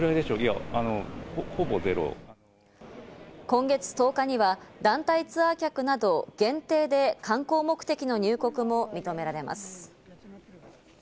今月１０日には団体ツアー客など限定で観光目的の入国も認められます。